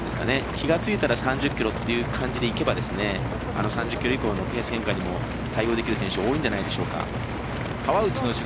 気が付いたら３０ｋｍっていう感じでいけば３０ｋｍ以降のペース変化にも対応できる選手多いんじゃないでしょうか。